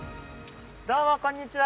どうもこんにちは！